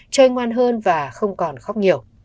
chơi ngoan hơn và không còn khóc nhiều